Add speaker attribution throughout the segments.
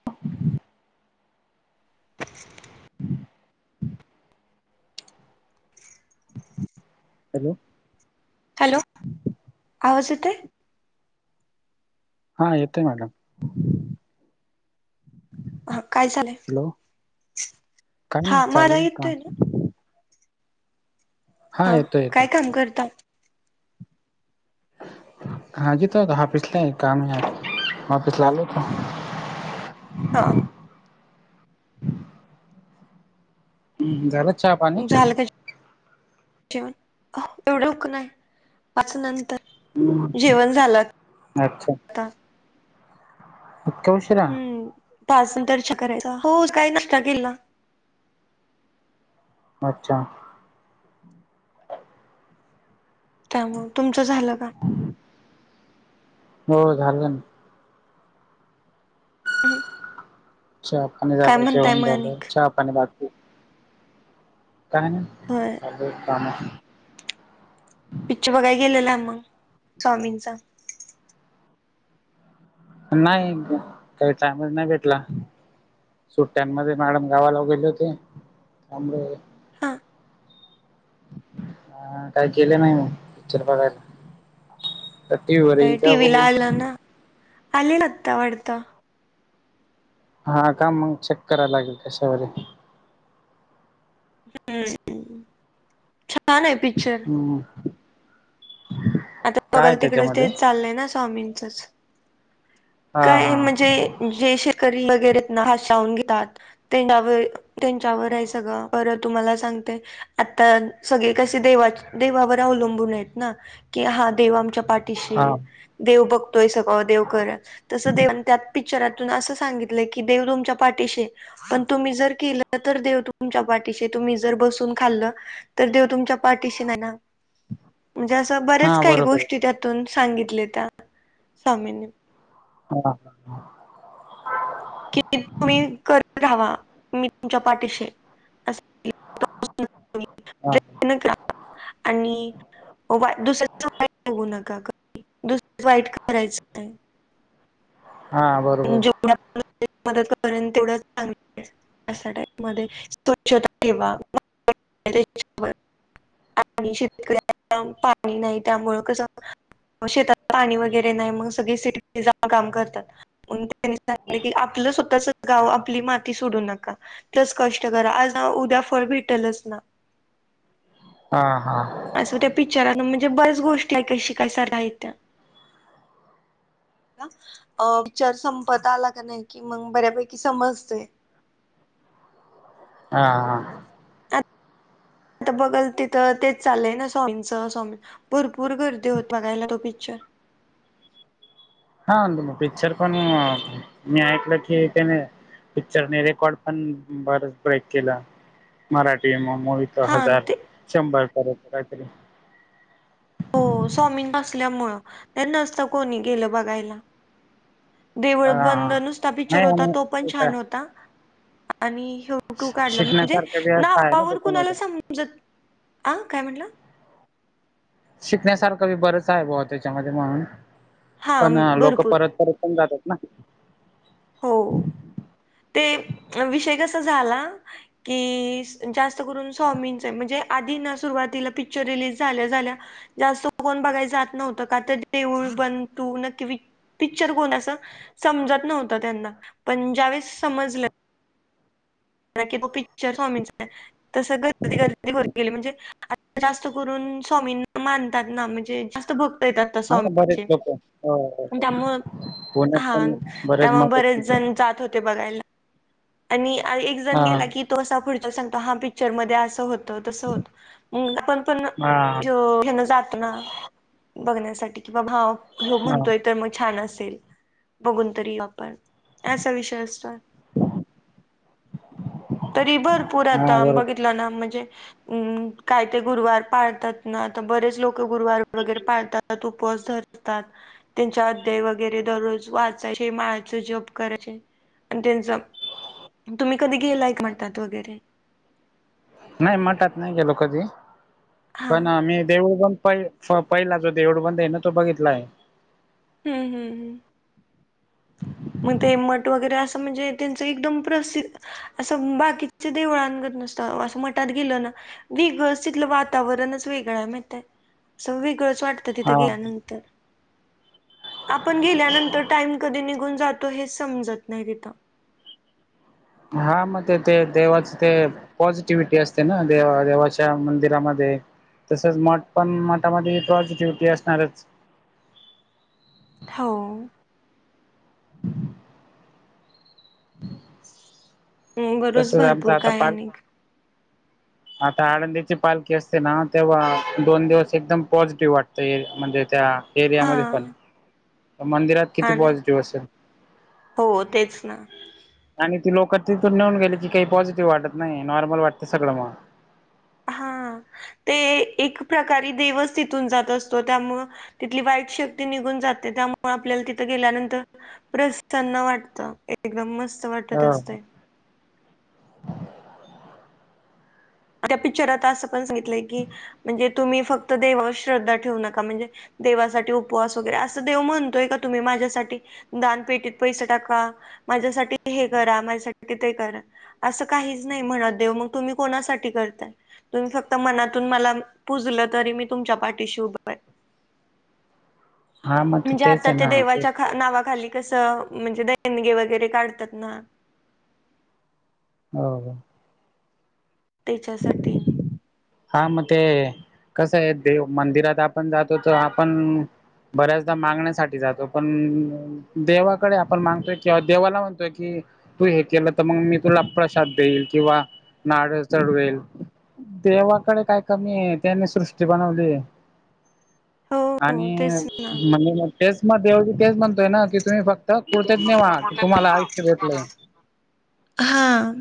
Speaker 1: ह,
Speaker 2: ष,
Speaker 1: hello,,
Speaker 2: hello,, आवाज येतय?
Speaker 1: हा,, येतय मॅडम.
Speaker 2: हा, काय झालंय?
Speaker 1: हॅलो,, काय नाही,
Speaker 2: हा मला
Speaker 1: चाललंय काम.
Speaker 2: येतोय ना हा,,
Speaker 1: येतोय येतो
Speaker 2: काय काम करता?
Speaker 1: हाजी, तो हाफीस ला आय, काम वापस आलोय तोऽ
Speaker 2: हां,
Speaker 1: ह, हम्,, झाल चहा पाणी?
Speaker 2: झालं का जेवण,, एवढ्या लवकर नाही,, पाच नंतर. जेवण झालं
Speaker 1: अच्छा
Speaker 2: आता
Speaker 1: अके विषरा
Speaker 2: पाास नंतरच्या करायचा हो काही नशता केला
Speaker 1: अच्छा
Speaker 2: त्यामुळे तुमचं झालं का
Speaker 1: हो झालं ना
Speaker 2: हम्म,
Speaker 1: चहा पाणी
Speaker 2: काय
Speaker 1: जाग
Speaker 2: म्हणताय
Speaker 1: जेवण
Speaker 2: मग
Speaker 1: झालं
Speaker 2: अनिक
Speaker 1: चहा पाणी काय नाही
Speaker 2: होय
Speaker 1: चालू आहेत कामं
Speaker 2: पिक्चर बघायला गेलेला मग स्वामींचा
Speaker 1: नाही काही टायमच नाही भेटला सुट्ट्यांमध्ये मॅडम गावाला गेले होते त्यामुळे-
Speaker 2: हा
Speaker 1: ह काय केले नाही म पिक्चर बघायला तर टी व्ही वर येईल का बघू-
Speaker 2: आले ना आत्ता वाढतां.
Speaker 1: हा काम मग चेक करायला लागेल कशावर
Speaker 2: ह् छान आहे पिक्चर
Speaker 1: होम
Speaker 2: आता बघाल तिकडेंच तेच चाललंय ना स्वामींचंच-
Speaker 1: हा
Speaker 2: काय
Speaker 1: हा
Speaker 2: म्हणजे जे शेतकरी वगैरे ना हसावून घेतात. त्यांच्यावर त्यांच्यावर आहे सगळं पर तुम्हाला सांगते- आता सगळे कसे देवा देवावर अवलंबून आहेत ना की हा देव आमच्या पाठ तिश
Speaker 1: हा
Speaker 2: देव बघतोय सगळ देवकर- [unintelligible] त्यात पिकच्चरातून असं सांगितलं की देव तुमच्या पाठीशी- पण तुम्ही जर केलं तर देव तुमच्या पाठीशी तुम्ही जर बसून खाल्ल- तर देव तुमच्या पाठीशी नाही ना. म्हणजे असं
Speaker 1: हा
Speaker 2: बर्याच काही
Speaker 1: बरोबर
Speaker 2: गोष्टी त्यातून सांगितल्या त्या, स्वामीनी.
Speaker 1: हा.
Speaker 2: कि तुम्ही करत राहावा मी तुमच्या पाठीशी अस
Speaker 1: हा.
Speaker 2: [unintelligible] आणि [unintelligible] का दुसर वाईट करायचंय
Speaker 1: हा बरोबर.
Speaker 2: जेवढ्या मदत [unintelligible] तेवढंच चांग [unintelligible] टाईप मध्ये स्वच्छता ठेवा आणि शेतकऱ्या पाणी नाही त्यामुळं कसं शेतात पाणी वगैरे नाही मग सगळे सिटी जाऊन काम करतात. [unintelligible] आपलं स्वतःच गाव आपली माती सोडू नका, तस कष्ट करा आज उद्या फळ भेटलच ना.
Speaker 1: हा हा.
Speaker 2: असं त्या पिकच्चरं म्हणजे बऱ्याच गोष्टी आहेत का शिकयसार आहेत त्या. अ पिक्चर संपत आला का नाही कि मग बऱ्यापैकी समजतय.
Speaker 1: हा हा.
Speaker 2: आता बघल तिथं तेच चाललंय ना स्वामींच स्वामी भरपूर गर्दी होत बघायला तो पिक्चर.
Speaker 1: हा पिक्चर पण मी ऐकलं की त्याने पिक्चर रेकॉर्ड पण बरच [unintelligible] केला मराठी मूवी दो
Speaker 2: हा
Speaker 1: हजार,
Speaker 2: ते
Speaker 1: शंभर [unintelligible]
Speaker 2: स्वामी नसल्यामुंळ ते नसतं कोणी गेलं बघायला.
Speaker 1: हा हा
Speaker 2: देवळबधं नुसता पिकच्चर होता
Speaker 1: नाही
Speaker 2: तो पण
Speaker 1: का
Speaker 2: छान होता आणि यो फोटो काढला म्हणजे
Speaker 1: शिकण्यासारखं बी आहे ना
Speaker 2: नावावर कुणाला
Speaker 1: त्याच्यामध्ये
Speaker 2: समजत, ह काय म्हंटलं?
Speaker 1: शिकण्यासारखं बी बरंच आहे ब त्याच्यामध्ये म्हणून,
Speaker 2: हा
Speaker 1: पण लोक
Speaker 2: भरपूर
Speaker 1: परत परत पण जातात. [unintelligible]
Speaker 2: हो, ते विषय कसा झाला की जास्त करून सवामींच म्हणजे आधी ना सुरुवातीला पिक्चर रिलीज झाल्या झाल्या जास्त कोण बघाय जात नव्हतं का तर देऊळ बनंतू न कि पिक्चर कोण अस, समजत नव्हत त्यांना पणजावे समजलं
Speaker 1: [inaudible]
Speaker 2: की पिक्चर स्वामीं आहे तसं गर्दी गर्दी [unintelligible] गेली म्हणजे आ जास्त करून स्वामींना मानतात ना म्हणजे जास्त भक्त देतात
Speaker 1: हा बरेच
Speaker 2: स्वामीचे,
Speaker 1: लोक हो हो हो
Speaker 2: त्यामुळं
Speaker 1: पुण्यात
Speaker 2: हा
Speaker 1: पण बरेच
Speaker 2: त्यामुळे
Speaker 1: मठ
Speaker 2: बरेच
Speaker 1: आहेत आमचे
Speaker 2: जण जात होते बघायला. आणि एक जण गेला की तो असा पुढच्या सांगतो हा पिक्चरमध्ये असं होतं तसं होत. म आपण पण,
Speaker 1: हा हा
Speaker 2: घेण जात ना, बघण्यासाठी कि बा भाव हो
Speaker 1: हा
Speaker 2: म्हणतोय तर मग छान असेल, बघून तरी आपण, असा विषय असतो. तरी भरपूर आता
Speaker 1: हा बरोबर
Speaker 2: बघितला ना म्हणजे हम् काय ते गुरुवार पाळतात ना आता बरेच लोक गुरुवार वगैर पाळतात उपवास ध तात त्यांच्या अध्याय वगैरे दररोज वाचायचे माळाचे जप कराय आणि त्यांच तुम्ही कधी गेलाय म्हणतात वगैरे.
Speaker 1: नाही म्हटात नाही गेलो कधी,
Speaker 2: हा
Speaker 1: पण मी देऊळ पण प झोपायला जो देवढ बंद आहे ना तो बघितला आहे.
Speaker 2: हम्म हम् हम्. मग ते मट वगैरे असं म्हणजे त्यांचं एकदम प्रसिद्ध असं बाकीच देवळांत नसतं असं मठात गेलं ना. वेगळंच तिथलं वातावरणच वेगळं माहतय असं वेगळंच वाट.
Speaker 1: हा
Speaker 2: तिथं गेल्यानंतर आपण गेल्यानंतर टाईम कधी निघून जातो हे समजत नाही तिथं.
Speaker 1: हा मग ते ते देवाच ते पॉझिटिव्हटी असते ना दे देवाच्या मंदिरामध्ये तसंच मठ पण मठामध्ये पॉझिटिव्हटी असणारच.
Speaker 2: हो. बरच
Speaker 1: तसच आमचा
Speaker 2: भरपूर
Speaker 1: आता
Speaker 2: काय
Speaker 1: पाल.
Speaker 2: आणि
Speaker 1: आता आळंदीची पालखी असते ना तेव्हा दोन दिवस एकदम पॉझिटिव्ह वाटत म्हणजे त्या
Speaker 2: हा
Speaker 1: एरियामध्ये पण मंदिरात किती
Speaker 2: हा ना
Speaker 1: पॉझिटिव्ह असेल.
Speaker 2: हो तेच ना.
Speaker 1: आणि ती लोक तिथून नेऊन गेली की काही पॉझिटिव्ह वाटत नाही नॉर्मल वाटत सगळं मग ह.
Speaker 2: हा ते एक प्रकारे देवस तिथून जात असतो त्यामु तिथली वाईट शक्ती निघून जाते त्यामुळे आपल्याला तिथं गेल्यानंतर प्रसांना वाटत एकदम मस्त वाटत
Speaker 1: हो
Speaker 2: असते. त्या पिक्चरात असं पण सांगितलंय की म्हणजे तुम्ही फक्त देवावर श्रद्धा ठेवू नका म्हणजे देवासाठी उपवास वगैरे असं देव म्हणतोय का तुम्ही माझ्यासाठी दानपेटीत पैसे टाका माझ्यासाठी हे करा माझ्यासाठी ते करा. असं काहीच नाही म्हणत देव मग तुम्ही कोणासाठी तुम्ही फक्त मनातून म पुजल तरी मी तुमच्या पाठीशी उभ.
Speaker 1: हा मग
Speaker 2: म्हणजे
Speaker 1: तेच
Speaker 2: आता
Speaker 1: आहे
Speaker 2: ते
Speaker 1: ना.
Speaker 2: देवाच्या नावाखाली कसं म्हणजे दणगे वगैरे काढतात ना.
Speaker 1: हो.
Speaker 2: त्याच्यासाठी
Speaker 1: ह. हा मग ते कसं आहे देव मंदिरात आपण जातो तर आपण बऱ्याचदा मागण्यासाठी जातो पण देवाकडे आपण मागतोय किंवा देवाला म्हणतोय कि तू हे केलं तर मग मी तुला प्रसाद देईल, किंवा नाड चढवेल. देवाकडे काय कमी आहे, त्यांनी सृष्टी बनवली आहे.
Speaker 2: हो हो
Speaker 1: आणि
Speaker 2: तेच ना
Speaker 1: म्हणजे तेच मवी तेच म्हणतोय ना की, तुम्ही फक्त कृतज्ञ
Speaker 2: तुम्ही
Speaker 1: व्हा की
Speaker 2: फक्त
Speaker 1: तुम्हाला आयुष्य भेटलंय.
Speaker 2: हां.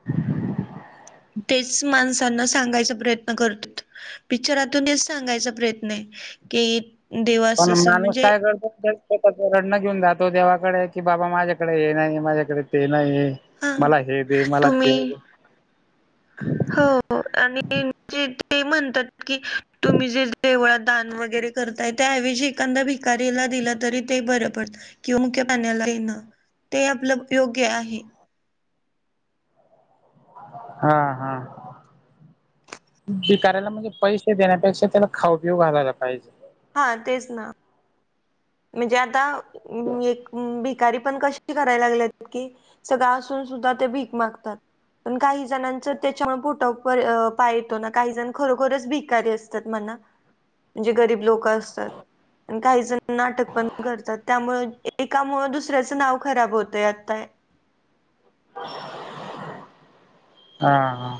Speaker 1: [inaudible]
Speaker 2: तेच माणसांना सांगायचा प्रयत्न करतात. पिक्चरातून हेच सांगायचा प्रयत्न आहे की देवा
Speaker 1: पण
Speaker 2: असं असं
Speaker 1: माणूस
Speaker 2: म्हणजे
Speaker 1: काय करतो त्याचं रडन घेऊन जातो देवाकडे की बाबा माझ्याकडे हे नाही, माझ्याकडे ते नाही.
Speaker 2: हा
Speaker 1: मला हे दे, मला ते
Speaker 2: तुम्ही
Speaker 1: दे.
Speaker 2: हो आणि म्हणतात की, तुम्ही जे देवळात दान वगैरे करताय त्याऐवजी एखादा भि भिकाऱ्याला दिल तरी ते बरं पडतं किव पाण्याण ते आपलं योग्य आहे.
Speaker 1: हा हा. भिकाऱ्यांना म्हणजे पैसे देण्यापेक्षा त्याला खाऊ पिऊ घालायला पाहिजे.
Speaker 2: हा तेच ना. म्हणजे आता एक भिकारी पण कशी करायला लागल्यात कि सगळं असून सुद्धा ते भीक मागतात. पण काही जणांच त्याच्या पोटाव पाय येतो ना, काही जण खरोखरच भिकारी असत म्हणा, म्हणजे गरीब लोक असतात, पण काही जण नाटक पण करतात, त्यामुळ एकामुळ दुसऱ्याचं नाव खराब होतय, आताय
Speaker 1: हा हा.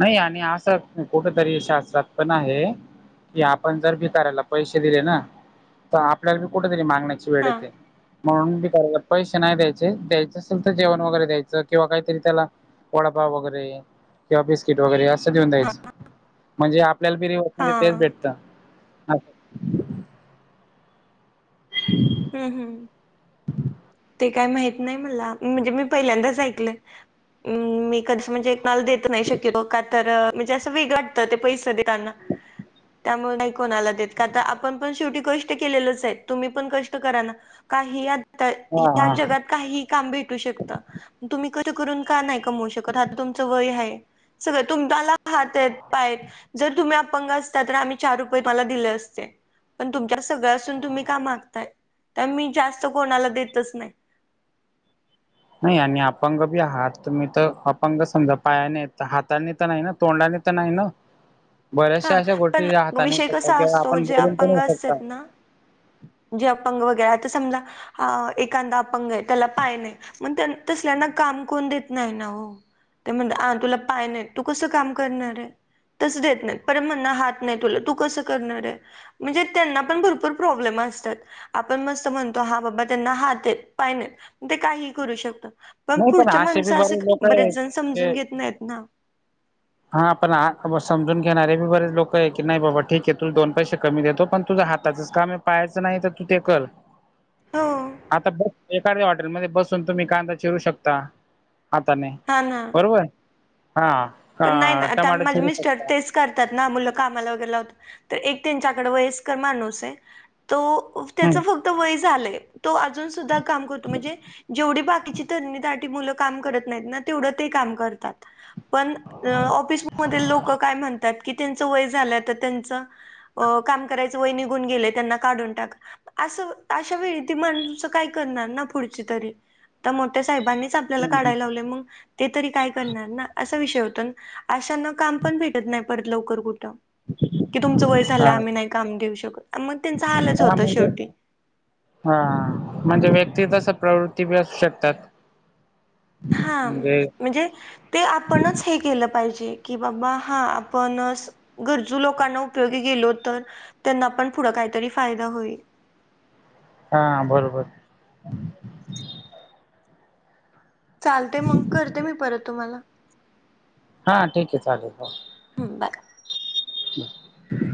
Speaker 1: नाही आणि आस कुठ तरी शास्त्रात पण आहे की आपण जर भिकाऱ्याला पैसे दिले ना तर आपल्याला कुठेतरी मागण्या वेळ
Speaker 2: हा
Speaker 1: येते. म्हणून बी पैसे नाही द्यायचे, द्यायचं असेल तर जेवण वगैरे द्यायचं किंवा काहीतरी त्याला वडपाव वगैरे किंवा बिस्किट वगैरे असं देऊन
Speaker 2: हा
Speaker 1: द्यायचं म्हणजे आपल्याला बिरीवत
Speaker 2: हा
Speaker 1: तेच भेटतं. अच. [inaudible]
Speaker 2: हम्म हम्, ते काय माहित नाही मला, म्हणजे मी पहिल्यांदाच ऐकलं. मी कशी म्हणजे कुणाला देत नाही शक्यतो, का तर म्हणजे असं वेगळं वाटतं पैसे देतना. कुणाला देत. का त आपण पण शेवटी कष्ट केलेलंच हायत, तुम्ही पण कष्ट करा ना, काही आता ह्या
Speaker 1: हा
Speaker 2: जगात काही काम भेटू शकत. तुम्ही कष्ट करून का नाही कमवू शकत? आता तुमच वय हाय सगळं, तुम्हा हात हायत, पाय हायत. जर तुम्ही अपंग असता तर आम्ही चार रुपये तुम्हाला दिले असते. पण तुमच्यात सगळ्या असून तुम्ही का मागताय, तर मी जास्त कोणाला देतच नाही.
Speaker 1: नाही आणि अपंग बी आहात तुम्ही तर अपंग समजा पायाने हायत हातानी तर नाही ना, तोंडाने तर नाही ना. बऱ्याचशा
Speaker 2: हा
Speaker 1: अशा
Speaker 2: पण
Speaker 1: गोष्टी ज्या हाताने
Speaker 2: विषय
Speaker 1: येऊ शकतात
Speaker 2: कसा
Speaker 1: किंवा
Speaker 2: असतो
Speaker 1: आपण
Speaker 2: जे
Speaker 1: बोलून पण
Speaker 2: अपंग
Speaker 1: होऊ शकता.
Speaker 2: असतात ना जे अपंग वगैरे हाय तर समजा हा एखादा अपंग आहे, त्याला पाय नाही मग तसल्याना काम कोण देत नाही ना हो. ते म्हणत आ तुला पाय नाही, तू कसं काम करणार आहे? तस देत नाही पर म्हणला हात नाही तुला, तू कसं करणार हे? म्हणजे त्यांना पण भरपूर प्रॉब्लेम अस आपण मस्त म्हणतो हा बाबा त्यांना हात पायनेत ते काही करू शकत पण
Speaker 1: नाही
Speaker 2: पुढच्या
Speaker 1: बी
Speaker 2: माणसं असे
Speaker 1: बरेच लोक
Speaker 2: बरेच
Speaker 1: आहेत
Speaker 2: जण समजून
Speaker 1: ते
Speaker 2: घेत नाइत ना
Speaker 1: [inaudible] हा पण समजून घेणारे बरेच लोक आहे की नाही बाबा ठीक आहे तू दोन पैसे कमी देतो पण तुझा हात त्याचच काम पाआयचं नाइ तर तू ते कर
Speaker 2: हो
Speaker 1: आता बस एखाद्या हॉटेलमदे बसून तुमी कांदा चिरू शकता आता नाइ
Speaker 2: हा ना
Speaker 1: बरोबर आ हा
Speaker 2: पण नाइ
Speaker 1: अं,
Speaker 2: ना आता
Speaker 1: टमाटर
Speaker 2: माजे
Speaker 1: चिरू
Speaker 2: मिस्टर
Speaker 1: शकता
Speaker 2: तेच [unintelligible] त्याच
Speaker 1: हम्म
Speaker 2: फक्त वय झालंय तो अजून सुदा काम करतो म्हणजे जेवढी बाकीची तरणी मूल काम करत नाईत ना तेवढं ते काम करतात पण अ ऑफिसमदील लोक काय म्हणतात की त्यांचं वय झालं तर त्यांच अ काम करायचं वय निघून गेले त्यांना काढून टाका असं अशा वेळी ती माणस काय करणार ना पुडची तरी आ मोटी साहेबांनीच आपल्याला
Speaker 1: हम्म, हम्म.
Speaker 2: काडायला लावले मग ते तरी काय करणार ना असा विषय होत अशना काम पण भेटत नाही परत लवकर कुट की तुमचं वय झालं
Speaker 1: हा
Speaker 2: आम्ही नाही काम देऊ शकत मग त्यांच आलच
Speaker 1: हा
Speaker 2: होतं
Speaker 1: म्हणजे
Speaker 2: शेवटी
Speaker 1: हा मणजे व्यक्ती तस प्रवृत्ती बी असू शकतात
Speaker 2: हा
Speaker 1: म्हणजे
Speaker 2: मणजे ते आपणच हे केलं पाइजे की बाबा हा आपण गरजू लोकांना उपयोगी गेलो तर त्यांना पण फूड काइतरी फायदा होईल
Speaker 1: हा बरोबर
Speaker 2: चालतेय मग करते मी परत तुम्हाला
Speaker 1: हा ठीकेय चालेल
Speaker 2: हम्म बाय.
Speaker 1: चा